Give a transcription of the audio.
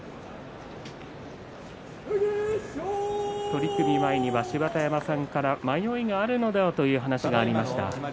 取組前には、芝田山さんから迷いがあるのではという話がありました。